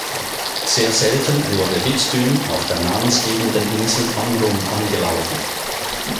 Sehr selten wurde Wittdün auf der namensgebenden Insel Amrum angelaufen.